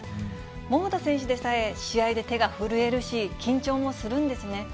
桃田選手でさえ、試合で手が震えるし、緊張もするんですね。